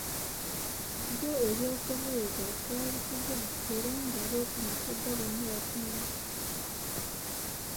Byo eby’okubuuza kyali kizibu kye era nga ab’oku Matugga bonna bakimanyi.